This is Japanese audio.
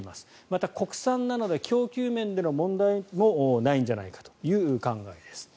また、国産なので供給面での問題もないんじゃないかという考えです。